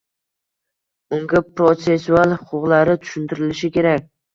unga protsessual huquqlari tushuntirilishi kerak.